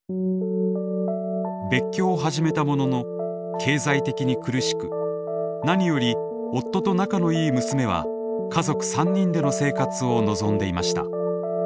別居を始めたものの経済的に苦しく何より夫と仲のいい娘は家族３人での生活を望んでいました。